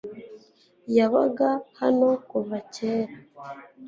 yabaga hano kuva cyera